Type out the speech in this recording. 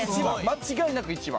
間違いなく１番。